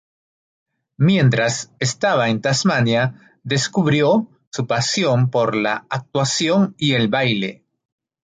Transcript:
Mientras estaba en Tasmania descubrió su pasión por la actuación y el baile.